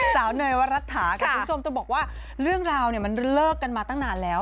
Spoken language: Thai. เนยวรัฐาค่ะคุณผู้ชมจะบอกว่าเรื่องราวเนี่ยมันเลิกกันมาตั้งนานแล้ว